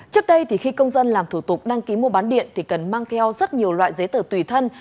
trước đây thì khi công dân làm thủ tục đăng ký mua bán điện thì cần mang theo rất nhiều loại giấy tờ tùy thân